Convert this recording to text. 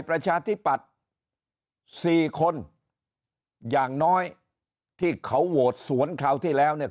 ประชาธิปัตย์สี่คนอย่างน้อยที่เขาโหวตสวนคราวที่แล้วเนี่ย